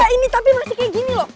ini tapi masih kayak gini loh